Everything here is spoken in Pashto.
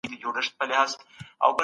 لوستل انسان له تیارو څخه خلاصوي.